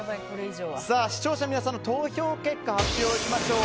視聴者の皆さんの投票結果発表しましょう。